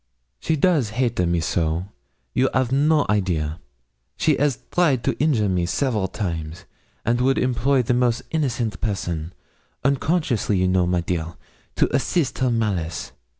'She does hate a me so, you av no idea. She as tryed to injure me several times, and would employ the most innocent person, unconsciously you know, my dear, to assist her malice.'